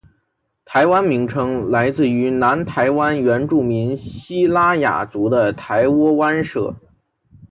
“台湾”名称来自于南台湾原住民西拉雅族的台窝湾社。